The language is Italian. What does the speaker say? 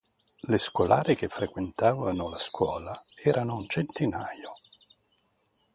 Le scolare che frequentavano la scuola erano un centinaio.